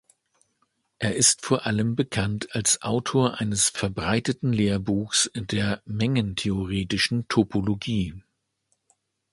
Er ist vor allem bekannt als Autor eines verbreiteten Lehrbuchs der mengentheoretischen Topologie.